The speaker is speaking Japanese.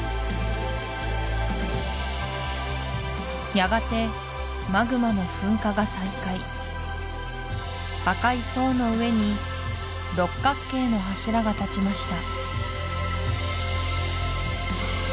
やがてマグマの噴火が再開赤い層の上に六角形の柱が立ちました